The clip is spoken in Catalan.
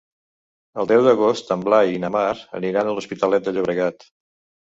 El deu d'agost en Blai i na Mar aniran a l'Hospitalet de Llobregat.